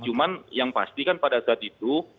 cuman yang pasti kan pada saat itu